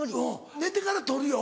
寝てから取るよ？